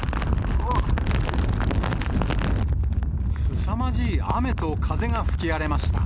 すさまじい雨と風が吹き荒れました。